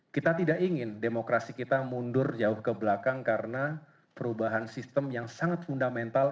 kita tidak ingin demokrasi kita mundur jauh ke belakang karena perubahan sistem yang sangat fundamental